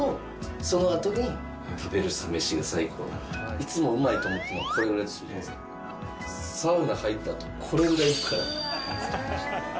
いつもうまいと思ってるのがこれぐらいじゃないですか、サウナ入ったあと、これくらい行くから。